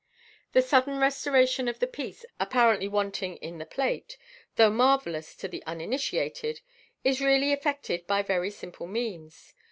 The sudden restoration of the piece apparently wanting in the Fig. 295. MODERN MAGIC. i6? plate, though marvellous to the uninitiated, is really effected by very simple means.